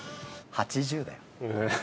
８０だよ。